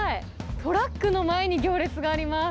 トラックの前に行列があります。